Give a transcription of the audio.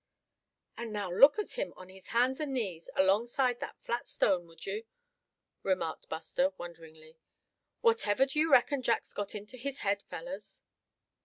"And now look at him on his hands and knees, alongside that flat stone, would you?" remarked Buster, wonderingly. "Whatever do you reckon Jack's got in his head, fellers?"